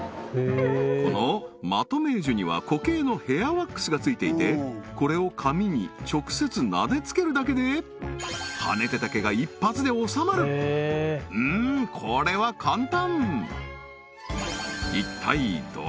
このマトメージュには固形のヘアワックスがついていてこれを髪に直接なでつけるだけでハネてた毛が一発でおさまるうーんこれは簡単！